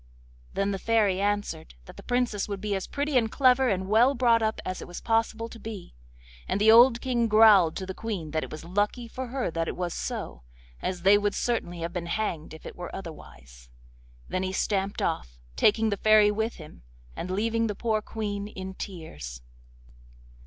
Then the Fairy answered that the Princess would be as pretty, and clever, and well brought up as it was possible to be, and the old King growled to the Queen that it was lucky for her that it was so, as they would certainly have been hanged if it were otherwise. Then he stamped off, taking the Fairy with him, and leaving the poor Queen in tears.